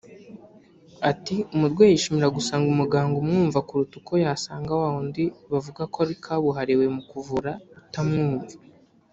Ati “Umurwayi yishimira gusanga umuganga umwumva kuruta uko yasanga wa wundi bavuga ko ari kabuhariwe mu kuvura utamwumva